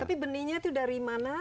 tapi benihnya itu dari mana